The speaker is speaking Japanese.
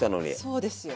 そうですよ。